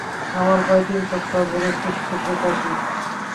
আমার প্রায় তিন সপ্তাহ ধরে খুশখুশে কাশি।